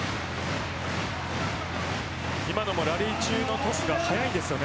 今のもラリー中のトスが早いです。